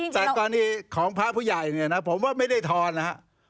แต่ตอนนี้ของพระผู้ใหญ่อย่างนี้นะผมว่าไม่ได้ทอนนะครับ